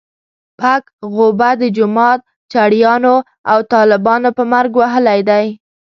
پک غوبه د جومات چړیانو او طالبانو په مرګ وهلی دی.